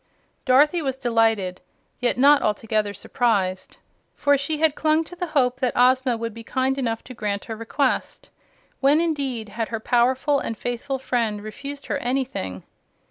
Dorothy was delighted, yet not altogether surprised, for she had clung to the hope that Ozma would be kind enough to grant her request. When, indeed, had her powerful and faithful friend refused her anything?